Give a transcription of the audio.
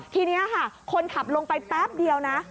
ทีนี้ค่ะคนขับลงไปแป๊บเดียวนะ